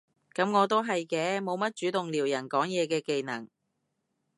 噉我都係嘅，冇乜主動撩人講嘢嘅技能